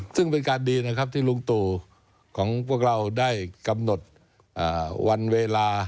ซึ่งเป็นการดีนะครับที่ลุงตู่ของพวกเราได้กำหนดวันเวลา